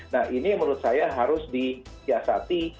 nah ini menurut saya harus disiasati